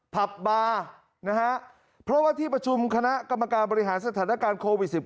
ผับบาร์นะฮะเพราะว่าที่ประชุมคณะกรรมการบริหารสถานการณ์โควิด๑๙